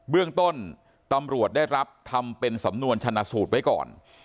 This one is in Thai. เรื่องต้นตำรวจได้รับทำเป็นสำนวนชนะสูตรไว้ก่อน